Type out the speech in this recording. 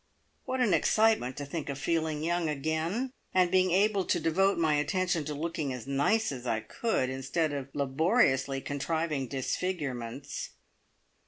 What an excitement to think of feeling young again, and being able to devote my attention to looking as nice as I could, instead of laboriously contriving disfigurements!